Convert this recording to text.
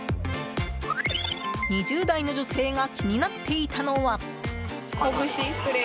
２０代の女性が気になっていたのは。